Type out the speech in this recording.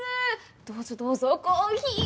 どうぞどうぞコーヒーでも！